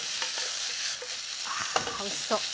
あおいしそう。